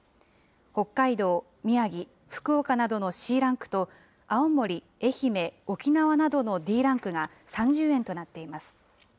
北海道、宮城、福岡などのＣランクと青森、愛媛、沖縄などのＤランクが３０円となっています。